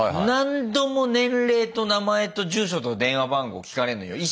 何度も年齢と名前と住所と電話番号聞かれんのよ。